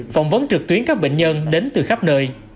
phỏng vấn trực tuyến các bệnh nhân